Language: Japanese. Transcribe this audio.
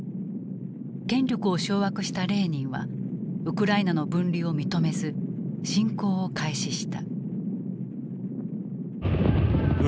権力を掌握したレーニンはウクライナの分離を認めず侵攻を開始した。